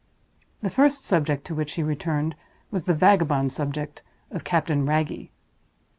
The first subject to which she returned was the vagabond subject of Captain Wragge.